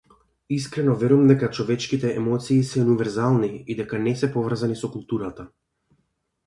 Искрено верувам дека човечките емоции се универзални и дека не се поврзани со културата.